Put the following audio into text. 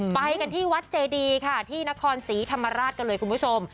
ไปกันที่วัดเจดีค่ะที่นครศรีธรรมราชกันเลยคุณผู้ชม